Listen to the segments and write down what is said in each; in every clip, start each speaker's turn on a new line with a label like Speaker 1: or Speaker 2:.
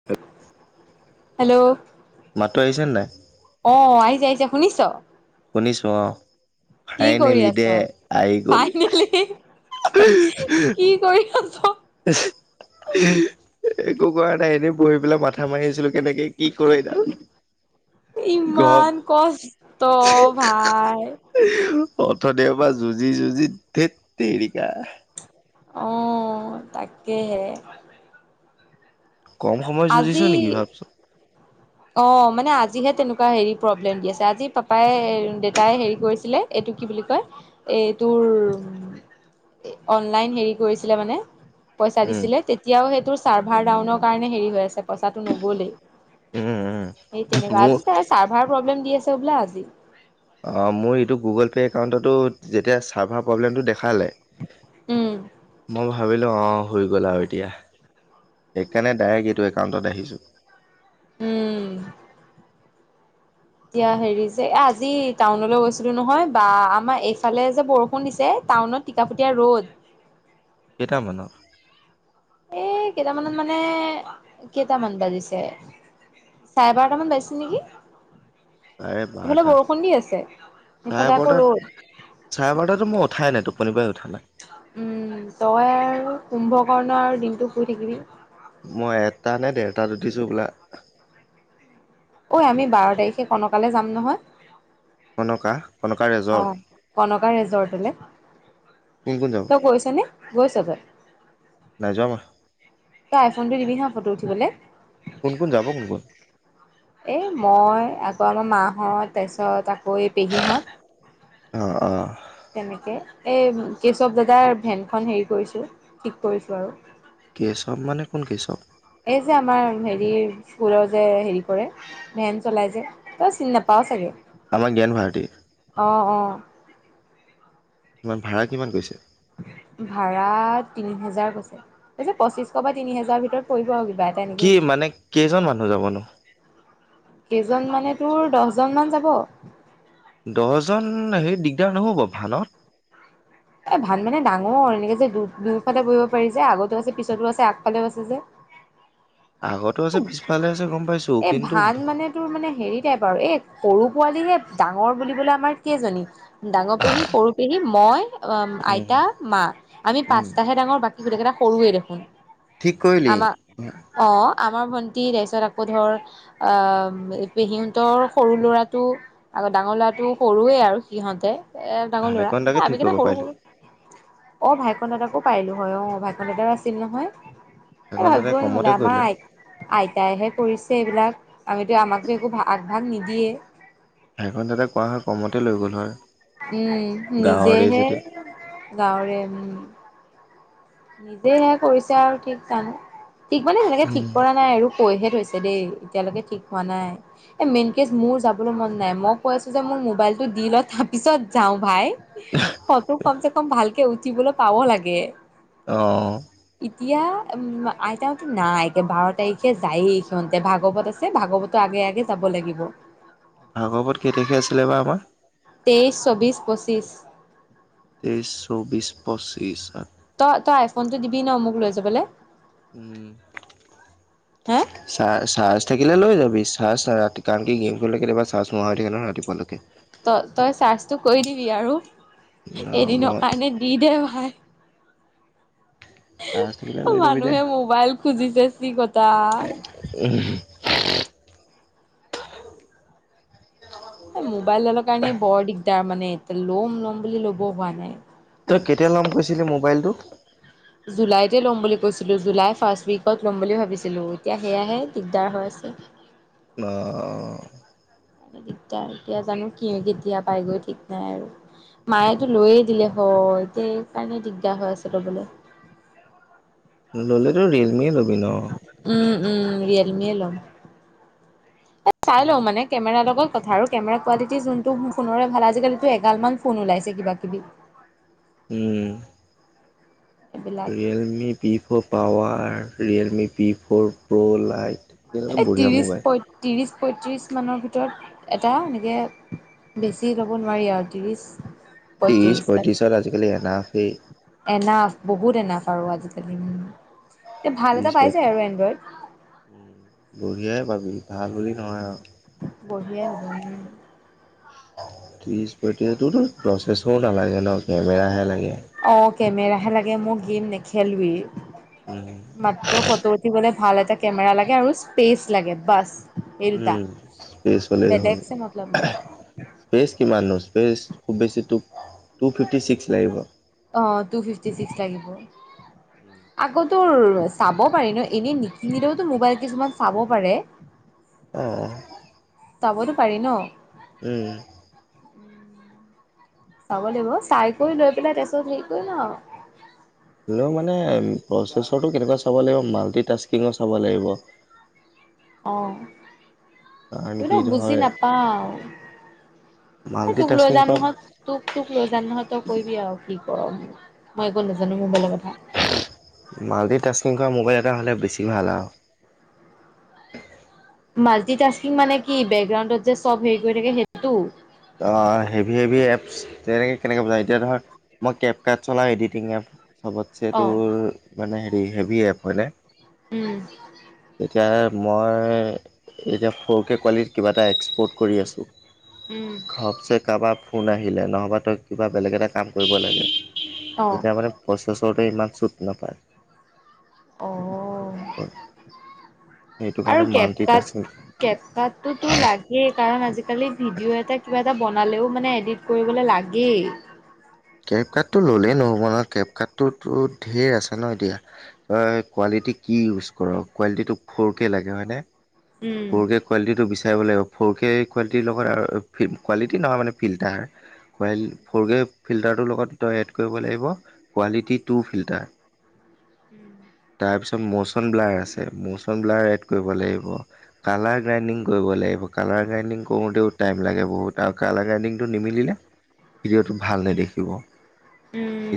Speaker 1: [inaudible]
Speaker 2: Hello.
Speaker 1: মাতটো আহিছে নে নাই?
Speaker 2: অ' আহিছে আহিছে। শুনিছ'?
Speaker 1: শুনিছোঁ অ'।
Speaker 2: কি কৰি
Speaker 1: ফাইনেলি দে
Speaker 2: আছ?
Speaker 1: আহি গ'ল।
Speaker 2: ফাইনেলি কি কৰি আছ?
Speaker 1: [inaudible] একো কৰা নাই, এনেই বহি পেলাই মাথা মাৰি আছিলোঁ, কেনেকে কি কৰোঁ এতিয়া।
Speaker 2: ইমান কষ্ট ভাই।
Speaker 1: অথনিৰপৰা যুঁজি যুঁজি, ধেত তেৰিকা।
Speaker 2: অ' তাকেহে।
Speaker 1: কম সময় যুঁজিছো
Speaker 2: আজি
Speaker 1: নেকি ভাবচোন
Speaker 2: অ' মানে আজিহে তেনেকুৱা হেৰি প্ৰব্লেম দি আছে, আজি পাপাই দেউতাই হেৰি কৰিছিলে এইটো কি বুলি কয়? এই তোৰ অনলাইন হেৰি কৰিছিলে মানে, পইচা
Speaker 1: উম
Speaker 2: দিছিলে, তেতিয়াও সেই তোৰ চাৰ্ভাৰ ডাউনৰ কাৰণে হেৰি হৈ আছে পইচাটো নগ'লেই,
Speaker 1: উম উম
Speaker 2: সেই তেনেকুৱাই
Speaker 1: মোৰ
Speaker 2: আজি চা চাৰ্ভাৰ প্ৰব্লেম দি আছে হ'বলা আজি।
Speaker 1: অ', মোৰ এইটো গুগল পে একাউণ্টতো যেতিয়া চাৰ্ভাৰ প্ৰব্লেমটো দেখালে,
Speaker 2: উম
Speaker 1: মই ভা ভাবিলোঁ অ', হৈ গ'ল আৰু এতিয়া, সেইকাৰণে ডাইৰেক্ট এইটো একাউণ্টত আহিছোঁ।
Speaker 2: উম। এতিয়া হেৰি যে, এ, আজি টাউনলৈ গৈছিলোঁ নহয় বা আমাৰ এইফালে যে বৰষুণ দিছে, টাউনত টিকাফটীয়া ৰ'দ।
Speaker 1: কেটামানত?
Speaker 2: এই কেটামানত, মানে কেটামান বাজিছে! চাৰে বাৰটামান বাজিছে নেকি!
Speaker 1: চাৰে
Speaker 2: [unintelligible]
Speaker 1: বাৰটা
Speaker 2: বৰষুণ দি আছে, ইফালে আকৌ ৰ'দ।
Speaker 1: চাৰে বাৰটাত টো মই উঠাই নাই, টোপনি পাই উঠা নাই।
Speaker 2: উম, তই আৰু কুম্ভ কৰ্ণ আৰু দিনটো শুই থাকিবি।
Speaker 1: মই এটা নে, ডেৰটাত উঠিছোঁ হ'বলা।
Speaker 2: ঐ আমি বাৰ তাৰিখে কণকালে যাম নহয়!
Speaker 1: কনকা? কনকা ৰেজৰ্ট
Speaker 2: অ', কনকা ৰেজৰ্টলে।
Speaker 1: কোন কোন যাব
Speaker 2: তই গৈছ নে? গৈছ তই?
Speaker 1: নাই যোৱা মই।
Speaker 2: তই আইফোনটো দিবি হা' ফটো উঠিবলে।
Speaker 1: কোন, কোন যাব কোন, কোন?
Speaker 2: এ, মই আকৌ আমাৰ মাহত তাৰপিছত আকৌ এই পেহীহত।
Speaker 1: অ'। অ
Speaker 2: তেনেকে, এই কেশৱ দাদাৰ ভেনখন হেৰি কৰিছোঁ ঠিক কৰিছোঁ আৰু।
Speaker 1: কেশৱ মানে কোন কেশৱ?
Speaker 2: এই যে আমাৰ হেৰি স্কুলৰ যে হেৰি কৰে ভেন চলাইছে তই চিনি নাপাও চাগে!
Speaker 1: আমাৰ জ্ঞান ভাৰতী?
Speaker 2: অ', অ'।
Speaker 1: কিমান ভাড়া কিমান কৈছে?
Speaker 2: ভাড়া তিনি হেজাৰ কৈছে। তাৰপিছত পঁচিশ বা তিনি হেজাৰৰ ভিতৰত পৰিব আৰু কিবা এ
Speaker 1: কি মানে, কেইজন মানুহ যাবনো?
Speaker 2: কেইজন মানে তোৰ, দহজনমান যাব।
Speaker 1: দহজন হেৰি দিগদাৰ নহ'ব ভানত?
Speaker 2: এ, ভান মানে ডাঙৰ এনেকে যে দু-দুইফালে বহিব পাৰি যে, আগতো আছে পিছতো আছে আগফালেও আছে যে।
Speaker 1: আগতো আছে পিছফালে আছে গম পাইছোঁ
Speaker 2: এই
Speaker 1: কিন্তু
Speaker 2: ভান মানে তোৰ মানে হেৰি টাইপ আৰু এই সৰু পোৱালিহে ডাঙৰ বুলিবলে আমাৰ কেইজনী ডাঙৰ পেহী, সৰু পেহী, মই, অ',
Speaker 1: উম
Speaker 2: আইতা, মা আমি
Speaker 1: উম
Speaker 2: পাঁচটাহে ডাঙৰ বাকী গোটেকেইটা সৰুৱে দেখোন!
Speaker 1: ঠিক কৰিলি
Speaker 2: আমাৰ
Speaker 1: ভান?
Speaker 2: অ', আমাৰ ভণ্টি তাৰপিছত আকৌ ধৰ আহ, সিহঁতৰ সৰু ল'ৰাটো আকৌ ডাঙৰ ল'ৰাটো সৰুৱে আৰু সিহঁতে এ, ডাঙৰ ল'ৰা
Speaker 1: ভাইকন দাকে
Speaker 2: এই
Speaker 1: ঠিক
Speaker 2: আমিকিটা
Speaker 1: কৰিব পাৰিলো
Speaker 2: অ', ভাইকন দাদাকো পাৰিলোঁ হয়, অ', ভাইকন দাদাৰ আছিল নহয়! এই
Speaker 1: ভাইকন দাদাই
Speaker 2: ভাবিবই নহ'লে
Speaker 1: কমতে
Speaker 2: আমাৰ
Speaker 1: কৰিলে
Speaker 2: আই আইতাইহে কৰিছে এইবিলাক, আমিতো আমাকটো একো আগভাগ নিদিয়ে।
Speaker 1: ভাইকন দাদাক কোৱা হয়, কমতে লৈ গ'ল হয়।
Speaker 2: উম,
Speaker 1: গাঁৱৰে
Speaker 2: নিজেহে
Speaker 1: যেতিয়া
Speaker 2: গাঁৱৰে উম। নিজেহে কৰিছে আৰু ঠিক জানো ঠিক মানে তেনেকে ঠিক কৰা নাই আৰু। কৈহে থৈছে দেই, এতিয়ালৈকে ঠিক হোৱা নাই। এই মেইন কেছ মোৰ যাবলৈ মন নাই মই কৈ আছো যে মোৰ মোবাইলটো দি লয় তাৰপিছত যাওঁ ভাই। ফটো কম চে কম ভালকে উঠিবলৈ পাব লাগে।
Speaker 1: অ'।
Speaker 2: এতিয়া উ আইতাহঁতো নাই বাৰ তাৰিখে যায়েই সিহঁতে ভাগৱত আছে ভাগৱত তৰ আগে আগে যাব লাগিব।
Speaker 1: ভাগৱত কেই তাৰিখে আছিলে বা আমাৰ?
Speaker 2: তেইছ, চৌব্বিছ, পঁচিছ।
Speaker 1: তেইছ, চৌব্বিছ, পঁচিছ আ
Speaker 2: ত-তই আইফোন টো দিবি ন' মোক লৈ যাবলে।
Speaker 1: উম।
Speaker 2: হা
Speaker 1: চাৰ-চাৰ্জ থাকিলে লৈ যাবি চাৰ্জ, না ৰাতি কাৰণ কি গেম খেল কেতিয়াবা চাৰ্জোোৱা হৈ থাকে ন' ৰাপুৱালৈকে।
Speaker 2: তই তই চাৰ্জটো কৰি দিবি আৰু
Speaker 1: ন
Speaker 2: এদিনৰ
Speaker 1: মই
Speaker 2: কাৰণে দি দে ভাই।
Speaker 1: চাৰ্জ থাকিলে লৈ যাবি দে।
Speaker 2: মানুহে মোবাইল খুজিছে চি কটা।
Speaker 1: উম [unintelligible]
Speaker 2: মোবাইল ডালৰ কাৰণেই বৰ দিগদাৰ মানে এয়া ল'ম ল'ম বুলি ল'ব হোৱা নাই।
Speaker 1: তই কেতিয়া ল'ম কৈছিলি মোবাইলটো?
Speaker 2: জুলাইতে ল'ম বুলি কৈছিলো, জুলাই ফাৰ্ষ্ট উইকত লম বুলি ভাবিছিলো, এতিয়া সেয়াহে দিগদাৰ হৈ আছে।
Speaker 1: অ', অ'।
Speaker 2: দিগদাৰ এতিয়া জানো কি কেতিয়া পাই গৈ ঠিক নাই আৰু। মায়েতো লৈয়ে দিলে হয়, এতিয়া এইকাৰণে দিগদাৰ হৈ আছে ল'বলৈ।
Speaker 1: ল'লেতো ৰিয়েলমি ল'বি ন'।
Speaker 2: উম, উম, ৰিয়েলমিয়ে লম চাই লওঁ মানে। কেমেৰাৰ লগত কথা আৰু কেমেৰা কোৱালিটি যোনটো ফোনেৰে ভাল আজিকালিটো এগালমান ফোন ওলাইছে কিবা কিবি।
Speaker 1: উম।
Speaker 2: এইবিলাক
Speaker 1: Realme P four power, Realme P four pro lite.
Speaker 2: এই
Speaker 1: বঢ়িয়া
Speaker 2: ত্ৰিশ
Speaker 1: মোবাইল
Speaker 2: পয় ত্ৰিশ পয়ত্ৰিশ মানৰ ভিতৰত এটা এনেকে। বেছি ল'ব নোৱাৰি আৰু ত্ৰিশ
Speaker 1: ত্ৰিশ
Speaker 2: পঁয়ত্ৰিশ তাত
Speaker 1: পঁয়ত্ৰিশত আজিকালি এনাফ সেই
Speaker 2: এনাফ বহুত এনাফ আৰু আজিকালি, এ ভাল এটা পাই যায় আৰু এনড্ৰইড।
Speaker 1: উ বঢ়িয়াই পাবি ভাল বুলি নহয় আৰু।
Speaker 2: বঢ়িয়াই হ'ব উম
Speaker 1: ত্ৰিছ পঁয়ত্ৰিশটো তোৰটো প্ৰচেছৰো নালাগে ন' কেমেৰাহে লাগে।
Speaker 2: অ', কেমেৰাহে লাগে মোক গেম নেখেলোৱেই।
Speaker 1: উম।
Speaker 2: মাত্ৰ ফটো উঠিবলে ভাল এটা কেমেৰা লাগে আৰু স্পেচ লাগে বাচ।
Speaker 1: উম স্পেচ হ'লেই হ'ল।
Speaker 2: মতলব নাই
Speaker 1: স্পেচ কিমাননো স্পেচ খুব বেছি টু টু ফিফটি ছিক্স লাগিব।
Speaker 2: অ', টু ফিফটি চিক্স লাগিব। আকৌ তোৰ চাব পাৰি ন' এনেই নিকিনিলেওতো মোবাইল কিছুমান চাব পাৰে।
Speaker 1: অ [unintelligible]
Speaker 2: চাবতো পাৰি ন'।
Speaker 1: উম।
Speaker 2: চাব লাগিব চাই কৰি লৈ পেলাই তাৰপিছত হেৰি কৰি লওঁ আৰু।
Speaker 1: লেও মানে প্ৰচেছৰটো কেনেকুৱা চাব লাগিব মাল্টিটাস্কিঙৰ চাব লাগিব।
Speaker 2: অ'।
Speaker 1: কাৰণ
Speaker 2: এই
Speaker 1: কি
Speaker 2: [unintelligible] বুজি
Speaker 1: ধৰ
Speaker 2: নাপাও এই
Speaker 1: মাল্টি
Speaker 2: তোক লৈ
Speaker 1: টাস্কিং
Speaker 2: যাম
Speaker 1: কৰা
Speaker 2: নহই তোক তোক লৈ যান নহয় তই কৰিবি আৰু কি কৰ', মই একো নাজানো মোবাইলৰ কথা।
Speaker 1: মালটিং তাষ্টিং কৰা মোবাইল এটা হ'লে বেছি ভাল আৰু।
Speaker 2: মাল্টি তাস্কিং মানে কি বেকগ্ৰাউণ্ডত যে চব হেৰি কৰি থাকে সেইটো?
Speaker 1: অ, হেভি-হেভি এপছ তেনেকে কেনেকে বুযায় এতিয়া ধৰ মই কেপ কাপ চলাই এডিটি এপছ মানে
Speaker 2: অ'
Speaker 1: চতবছে হে হেভী এপ হয়নে?
Speaker 2: উম,
Speaker 1: তেতিয়া মই এতিয়া সৰুকে কোৱালিটিত কিবা এটা এক্সপৰ্ট কৰি আছোঁ।
Speaker 2: উম,
Speaker 1: ঘবচে কাৰোবাৰ ফোন আহিলে, নহ'বা তই কিবা বেলেগ এটা কাম কৰিব লাগে
Speaker 2: অ'
Speaker 1: এতিয়া মানে প্ৰচেছৰতে ইমান চুট নাপায়।
Speaker 2: অ,
Speaker 1: সেইটো কাৰণে
Speaker 2: আৰু কেট
Speaker 1: মাল্টি টাস্কিং
Speaker 2: তাত, কেপচাততো লাগে কাৰণ আজিকালি ভিডিঅ' এটা কিবা এটা বনালেও মানে এডিট কৰিবলে লাগেই।
Speaker 1: কেব কাৰডটো ল'লেই নহ'ব নহয়, কেব কাৰটোতো ধেই আছে ন এতিয়া। হয়, কোৱালিটি কি ইউজ কৰ কোৱালিটিটো ফৰ কে লাগে হয়নে?
Speaker 2: উম
Speaker 1: ফ'ৰ কে কোৱালিটিটো বিচাৰিব লাগিব, ফ'ৰ কে কোৱালিটিৰ লগত আৰু কোৱালিটি নহয় মানে ফিল্টাৰ। ৱাইল ফ'ৰ গ্ৰে ফিল্টাৰটোৰ লগত তই এড কৰিব লাগিব কোৱালিটি টু ফিল্টাৰ।
Speaker 2: উম,
Speaker 1: তাৰপিছত মৌচন ব্লাৰ আছে, মৌচন ব্লাৰ এড কৰিব লাগিব। কালাৰ গ্ৰাইণ্ডিং কৰিব লাগিব, কালাৰ গ্ৰাইণ্ডিং কৰোঁতেও টাইম লাগে বহুত। আৰু কালাৰ গাইডিংটো নিমিলিলে ভিডিঅ'টো ভাল নেদেখিব।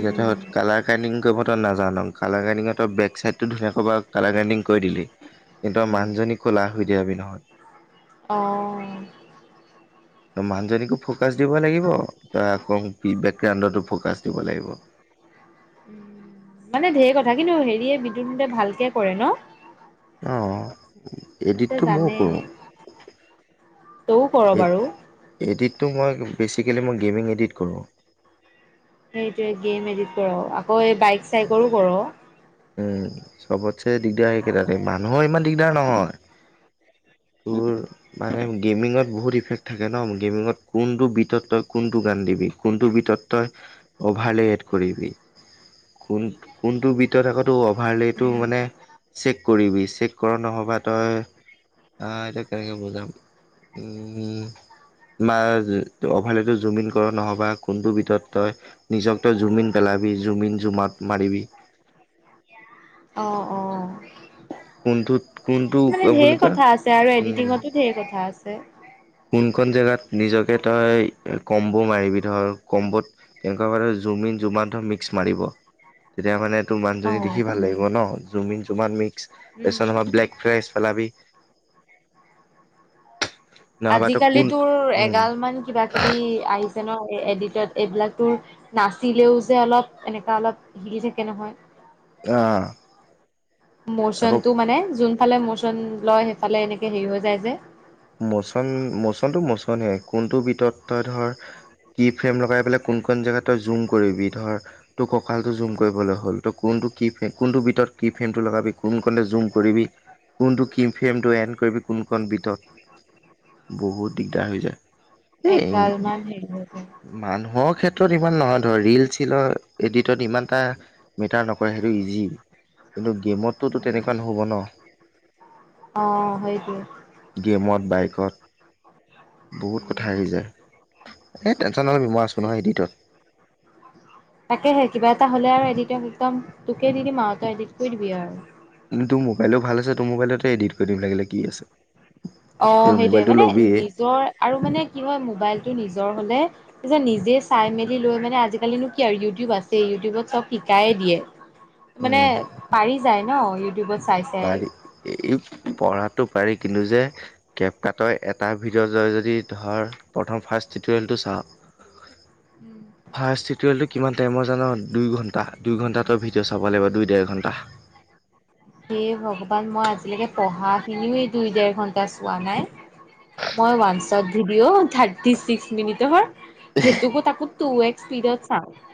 Speaker 1: এতিয়া ধৰ কালাৰ কৰ্দিং কৰিব নাজান, কালাৰ কৰদিং বেক চাইড টো ধুনীয়াকে কালাৰ গ্ৰাদিং কৰি দিলি কিন্তু মানু্হজনি কলা হৈ দিয়াবি নহয়।
Speaker 2: অহ,
Speaker 1: ত' মানুহজনীকো ফকাচ দিব লাগিব, ত' আকৌ বেকগ্ৰাউণ্ডতো ফকাচ দিব লাগিব।
Speaker 2: মানে ধেই কথা কিন্তু হেৰিয়ে বিদ্যুৎ হতে ভালকে কৰে ন?
Speaker 1: অ,
Speaker 2: সিহঁতে
Speaker 1: এডিটটো ময়ো কৰোঁ।
Speaker 2: তয়ো কৰ বাৰু?
Speaker 1: এডিটটো মই বেচিকেলি মই গেমিং এডিট কৰোঁ।
Speaker 2: সেইটোয়ে গেম এডিত কৰ আকৌ এই বাইক চাইকৰো কৰ।
Speaker 1: উম, চবতছে দিগদাৰ সেইকেইটা, মানুহৰ ইমান দিগদাৰ নহয়। তোৰ মানে গে'মিঙত বহুত ইফেক্ট থাকে ন' গেমিঙত কোনটো বিটত তই কোনটো গান দিবি। কোনটো বিতত অভাৰ লিএড কৰিবি, কোন কোনটো বি তিত আকৌ তো অভাৰলেটো মানে চেক কৰিবি চেক কৰা নহ'বা তই। আহ, এতা কেনেকৈ বোজাম। উম, বা অভালেতো জুমিন কৰ নহ'ব বা কোনটো ভিতৰত তই নিজক তই জুমিন পেলাবি জুমিন জোমৱাওত মাৰিবি।
Speaker 2: অ, অ,
Speaker 1: কোনটোত কোনটো
Speaker 2: মানে
Speaker 1: বুলি
Speaker 2: ধেৰ
Speaker 1: কয়
Speaker 2: কথা আছে, আৰু
Speaker 1: উম
Speaker 2: এডিটিঙতো ধেৰ কথা আছে।
Speaker 1: কোনখন জেগাত নিজকে তই কম্বো মাৰিবি। ধৰ কম্বত কেনেকুৱা বাৰ জুমিন জুমমান ধৰ মিক্স মাৰিব। তেতিয়া মানে তোৰ
Speaker 2: অ
Speaker 1: মানজনী দেখি ভাল লাগিব ন? জুমিন জুৱাত মিক্স
Speaker 2: উম
Speaker 1: তাৰপিছত নহা ব্লেক ফ্ৰেছ পেলাবি। নহবা তই
Speaker 2: আজিকালি
Speaker 1: কোন
Speaker 2: তোৰ
Speaker 1: উম
Speaker 2: এগাল মান কিবা কিবি আহিছে। ন এডিটত এইবিলাকতো নাচিলেও যে অলপ এনেককা অলপ হিলি থাকে নহয়।
Speaker 1: অ',
Speaker 2: ম'চন টো মানে যোন ফালে ম'চন লয়, সেইফালে এনেকে হেৰি হৈ যায় যে?
Speaker 1: মোচন-মোচনটো মোচনেই কোনটো বিতত তই ধৰ কি ফ্ৰেম লগাই পেলাই কোন-কোন জেগাত তই জুম কৰিবি ধৰ, ত কঁকালটো জুম কৰিবলৈ হ'ল ত' কোনটো ফ কোনটো ভিতৰত কি ফ্ৰেমটো লগাবি কোন ক জুম কৰিবি। কোনটো কিম ফ্ৰেমটো এড কৰিবি, কোন কণ বিটত
Speaker 2: [inaudible]
Speaker 1: বহুত দিগদাৰ হৈ যায়। এ
Speaker 2: এগাল মান হেৰি হৈ যায়
Speaker 1: মানুহৰ ক্ষেত্ৰত ইমান নহয় ধৰ, ৰিল চিলৰ এডিটত ইমান এটা মেটাৰ নকৰে সেইটো ইজি, কিন্তু গেমত
Speaker 2: অ' সেইটোৱে।
Speaker 1: গেমত, বাইকত। বহুত কথা আহৰি
Speaker 2: উম
Speaker 1: যায়। এ, টেনশ্যন নলবি মই আছোঁ নহয় এডিনটত।
Speaker 2: তাকেহে কিবা এটা হ'লে আৰু এডিটক একদম তোকে দি দিম আৰু, তই এডিট কৰি দিবি আৰু।
Speaker 1: কি তোৰ মোবাইলো ভাল আছে, তোৰ মোবাইলতে এডিট কৰি দিম লাগিলে কি আছে।
Speaker 2: অ'
Speaker 1: তোৰ
Speaker 2: সেইটোৱে
Speaker 1: মোবাইলটো
Speaker 2: মানে
Speaker 1: ল'বিয়ে
Speaker 2: নিজৰ আৰু মানে কি হয় মোবাইলটো নিজৰ হ'লে তাৰপিছত নিজে চাই মেলি লৈ মানে আজিকালিনো কি আৰু ইউটিউব আছেই ইউটিউবত চব শিকাইে দিয়ে। মানে
Speaker 1: উম।
Speaker 2: পাৰি যায় ন' ইউটিউবত চাই চাই।
Speaker 1: পাৰি। এ, পঢ়াটো পাৰি কিন্তু যে কেব কাটৰ এটা ভিডিঅ' জয় যদি ধৰ প্ৰথম ফাৰ্ষ্ট টিটৰিয়েলটো চাওঁ ফাৰ্ষ্ট ইট টিঅ'লটো কিমান টাইমৰ জান দুই ঘণ্টা, দুই ঘণ্টা তই ভিডিঅ' চাব লাগিব দুই, ডেৰ ঘণ্টা।
Speaker 2: হে ভগৱান মই আজিলৈকে পঢ়াখিনিও এই দুই ডেৰ ঘণ্টা চোৱা নাই। মই ওৱানচত ভিডিঅ' থাৰ্টি ছিক্স মিনিট সেইটোকো তাকো টু এক্স ইস্পিডত চাও।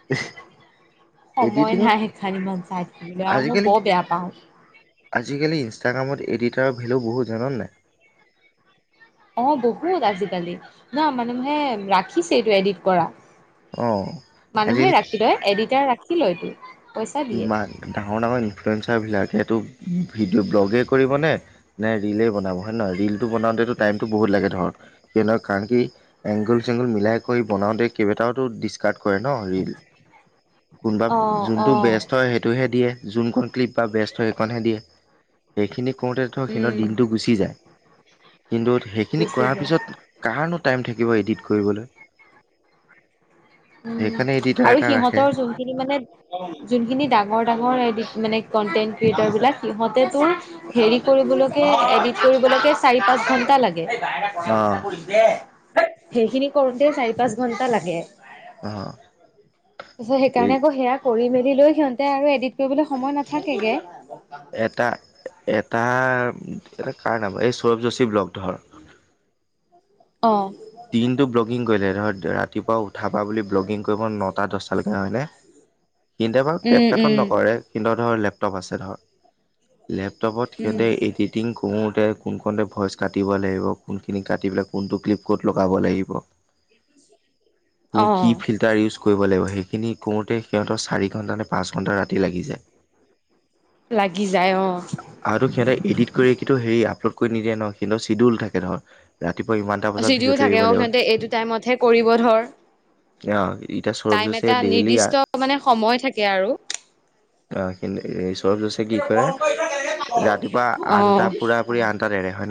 Speaker 1: [unintelligible]
Speaker 2: সময়
Speaker 1: এডিটিঙত
Speaker 2: নাই সেইখন ইমান চাই থাকিলে আৰু মই
Speaker 1: আজিকালি
Speaker 2: বৰ বেয়া পাওঁ।
Speaker 1: আজিকালি ইনষ্টাগ্ৰামত এডিটাৰৰ ভেলু বহুত জান' নে নাই?
Speaker 2: অ' বহুত আজিকালি, না মানুহে ৰাখিছে এইটো এডিট কৰা।
Speaker 1: অ
Speaker 2: মানুহে
Speaker 1: আজিকালি কি
Speaker 2: ৰাখিলে এডিটাৰ ৰাখি লয়তো। পইচা দিয়ে।
Speaker 1: ইমান ডাঙৰ ডাঙৰ ইনফ্লুৱেঞ্চাৰবিলাকে তোৰ ভিডিঅ' ব্লগেই কৰিবনে নে ৰিলেই বনাব হয় নহয়? ৰিলটো বনাওঁতেতো টাইমটো বহুত লাগে ধৰ। কিয় নহয় কাৰণ কি এংগুল চেংগুল মিলাই কৰি বনাওঁতে কেইবটাও ডিচ কাট কৰে ন' ৰিল। কোনবা
Speaker 2: অ'
Speaker 1: ঝুম
Speaker 2: অ'
Speaker 1: তই সেইটোহে দিয়ে, যোনখন ক্লিপ বা বেষ্ট হয় সেইখনহে দিয়ে। সেইখিনি কৰোতে ধৰ
Speaker 2: উম
Speaker 1: সিহঁতৰ দিনতটো গুচি যায়, কিন্তু সেইখিনি
Speaker 2: গুচি
Speaker 1: কৰাৰ
Speaker 2: যায়।
Speaker 1: পিছত কাৰনো টাইম থাকিব এডিট কৰিবলৈ।
Speaker 2: উম,
Speaker 1: সেইকাৰণে এডিটাৰ
Speaker 2: আৰু
Speaker 1: এটা ৰাখে
Speaker 2: সিহঁতৰ যোনখিনি মানে যোনখিনি ডাঙৰ ডাঙৰ এডিট মানে কন্টেন্ট ক্ৰিয়েটৰবিলাক সিহঁতেতো হেৰি কৰিবলৈকে, এডিট কৰিবলৈকে চাৰি পাঁচ ঘন্টা লাগে।
Speaker 1: অ
Speaker 2: সেইখিনি কৰোঁতে চাৰি পাঁচ ঘন্টা লাগে।
Speaker 1: অ
Speaker 2: তাৰপিছত
Speaker 1: এই
Speaker 2: সেইকাৰণে আকৌ সেয়া কৰি মেলি লৈ সিহঁতে আৰু এডিলট কৰিবলৈ সময় নাথাকেগে।
Speaker 1: এটা এটা এটা কাৰ নামৰ, এই সৌৰভ যোশীৰ ব্লগ ধৰ
Speaker 2: অ'।
Speaker 1: দিনটো ব্লগিং কৰিলে ধৰ ৰাতিপুৱা উঠাপা বুলি ব্লগিং কৰিব নটা দহটালৈকে নহয়নে? সিহঁতে বাৰু কেপ
Speaker 2: উম,
Speaker 1: কাটত
Speaker 2: উম,
Speaker 1: নকৰে, সিহঁতৰ ধৰ লেপটপ আছে ধৰ। লেপটপত
Speaker 2: উম,
Speaker 1: সিহঁতে এডিট এটিং কৰোঁতে কোনখনতে ভইচ কাটিব লাগিব, কোনখিনি কাটি পেলাই কোনটো ক্লিপ ক'ত লগাব লাগিব, কি ফে
Speaker 2: অ'।
Speaker 1: টাৰ ইউজ কৰিব লাগিব সেইখিনি কৰোঁতে সিহঁতৰ চাৰি ঘণ্টা নে পাঁচ ঘণ্টা ৰাতি লাগি যায়।
Speaker 2: লাগি যায় অ'।
Speaker 1: আৰুতো সিহঁতে এডিট কৰি কিন্তু হেৰি আপলোড কৰি নিদিয়ে ন' সিহঁতৰ চিডিউল থাকে ধৰ ৰাতিুৱা ইমানটা বজাত
Speaker 2: যদিও
Speaker 1: ভিডিঅ'টো
Speaker 2: থাকে
Speaker 1: এৰিব
Speaker 2: অ'
Speaker 1: লাগিব
Speaker 2: সিহঁতে এইটো টাইমত হে কৰিব ধৰ।
Speaker 1: আহ ইতি
Speaker 2: টাইম
Speaker 1: সৰবজোছি
Speaker 2: এটা
Speaker 1: ডেইলি
Speaker 2: নিৰ্দিষ্ট
Speaker 1: আৰু।
Speaker 2: মানে সময় থাকে আৰু।
Speaker 1: অ', কিন্তু শোওৰব যোছি কি কৰে ৰাতিপুৱা আঠটা
Speaker 2: অ
Speaker 1: পুৰা পৰি আঠটাত এৰে হয়নে।